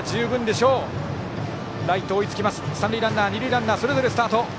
三塁ランナー二塁ランナー、それぞれスタート。